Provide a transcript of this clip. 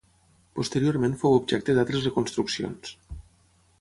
Posteriorment fou objecte d'altres reconstruccions.